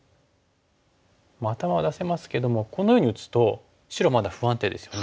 まあ頭は出せますけどもこのように打つと白まだ不安定ですよね。